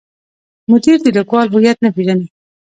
مدیر د لیکوال هویت نه پیژني.